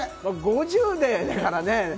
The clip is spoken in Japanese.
５０歳だからね。